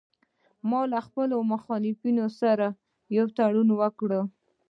ما له خپلو مخالفینو سره یو تړون وکړ